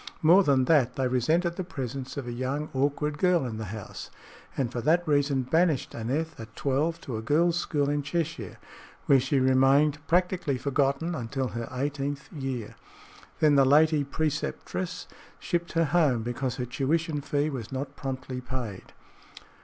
More than that, they resented the presence of a young, awkward girl in the house, and for that reason banished Aneth at twelve to a girl's school in Cheshire, where she had remained, practically forgotten, until her eighteenth year. Then the lady preceptress shipped her home because her tuition fee was not promptly paid.